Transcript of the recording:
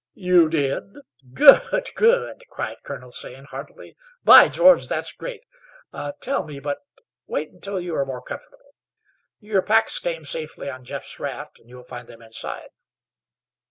"You did? Good! Good!" cried Colonel Zane, heartily. "By George, that's great! Tell me but wait until you are more comfortable. Your packs came safely on Jeff's raft, and you will find them inside."